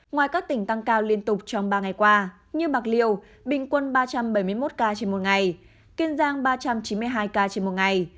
ngoài các tỉnh tăng cao liên tục trong ba ngày qua như bạc liêu bình quân ba trăm bảy mươi một ca trên một ngày